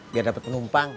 biar dapet penumpang